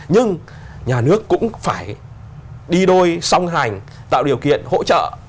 nhưng nhà nước cũng phải đi đôi song hành tạo điều kiện hỗ trợ